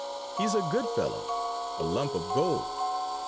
"He's a good fellow, a lump of gold.